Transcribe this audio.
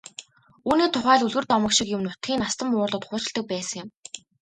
Үүний тухай л үлгэр домог шиг юм нутгийн настан буурлууд хуучилдаг байсан юм.